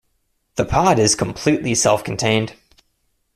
The pod is completely self-contained.